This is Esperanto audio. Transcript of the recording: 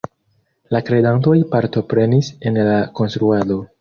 La kredantoj partoprenis en la konstruado.